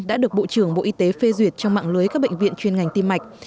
đã được bộ trưởng bộ y tế phê duyệt trong mạng lưới các bệnh viện chuyên ngành tim mạch